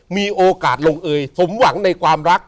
มีโอกาสลงเอยสมหวังในความรัก